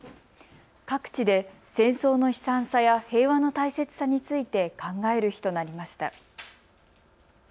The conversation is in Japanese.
各地で戦争の悲惨さや平和の大切さについて考える日となりました。